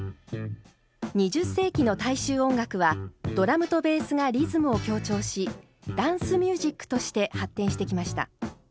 ２０世紀の大衆音楽はドラムとベースがリズムを強調しダンス・ミュージックとして発展してきました。